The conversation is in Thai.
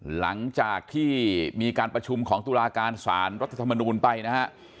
หลังจากที่มีการประชุมของตุลาการสารรัฐธรรมนูลไปนะฮะ